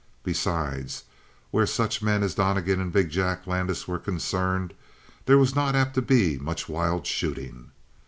Besides, where such men as Donnegan and big Jack Landis were concerned, there was not apt to be much wild shooting.